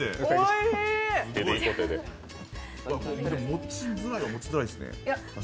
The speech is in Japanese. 持ちづらいは持ちづらいですね。